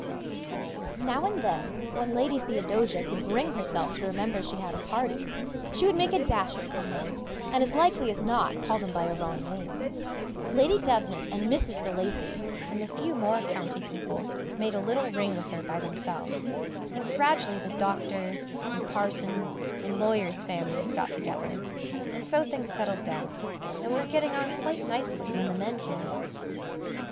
Now and then, when Lady Theodosia could bring herself to remember she had a party, she would make a dash at some one, and as likely as not call them by a wrong name. Lady Devnant and Mrs. de Lacy and the few more county people made a little ring with her by themselves, and gradually the doctors', and parsons', and lawyers' families got together, and so things settled down, and we were getting on quite nicely when the men came in.